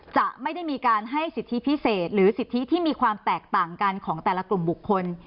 จะไม่ได้มีการให้สิทธิพิเศษหรือสิทธิที่มีความแตกต่างกันของแต่ละกลุ่มบุคคล